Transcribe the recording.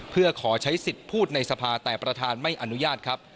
เพื่อขอใช้สิทธิ์พูดในสภาแต่ประธานไม่อนุญาตครับ